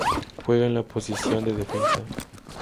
Juega en la posición de defensa